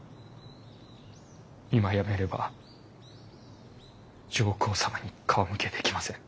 今やめれば上皇様に顔向けできません。